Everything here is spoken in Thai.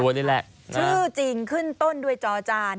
ชื่อจริงขึ้นต้นด้วยจอจาน